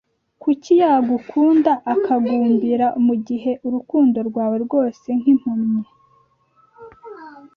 Kuki yagukunda, akagumbira mugihe urukundo rwawe rwose nk’ impumyi?